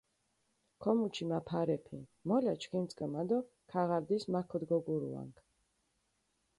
ქომუჩი მა ფარეფი, მოლა ჩქიმიწკჷმა დო ქაღარდის მა ქდჷგოგურუანქ.